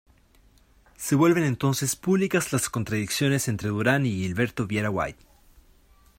Se vuelven entonces públicas las contradicciones entre Durán y Gilberto Vieira White.